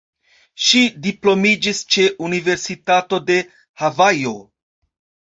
Ŝi diplomiĝis ĉe Universitato de Havajo.